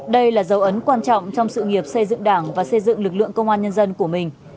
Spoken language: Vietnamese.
đây là dấu ấn quan trọng trong sự nghiệp xây dựng đảng và xây dựng lực lượng công an nhân dân của mình